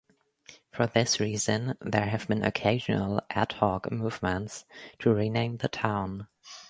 For this reason, there have been occasional ad hoc movements to rename the town.